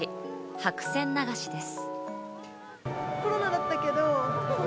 ・白線流しです。